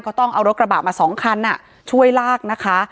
ต้องเอารถกระบะมาสองคันช่วยลากนะคะ